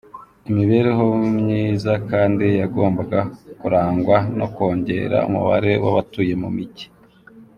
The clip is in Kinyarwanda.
Imibereho myiza kandi yagombaga kurangwa no kongera umubare w’abatuye mu mijyi.